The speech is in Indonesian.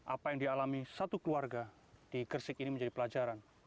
apa yang dialami satu keluarga di gersik ini menjadi pelajaran